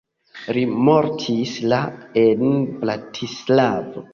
Li mortis la en Bratislavo.